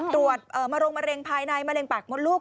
ตรวจมะโรงมะเร็งภายในมะเร็งปากมดลูก